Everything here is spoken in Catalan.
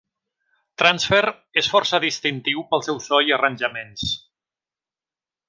"Trancefer" és força distintiu pel seu so i arranjaments.